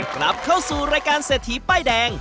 กลับเข้าสู่รายการเศรษฐีป้ายแดง